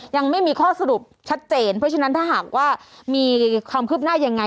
ยังไม่มีข้อสรุปชัดเจนเพราะฉะนั้นถ้าหากว่ามีความคืบหน้ายังไง